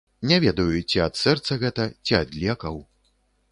Не ведаю, ці ад сэрца гэта, ці ад лекаў.